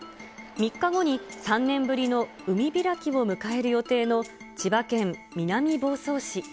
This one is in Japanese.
３日後に３年ぶりの海開きを迎える予定の千葉県南房総市。